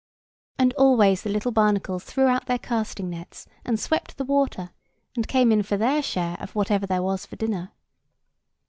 And always the little barnacles threw out their casting nets and swept the water, and came in for their share of whatever there was for dinner.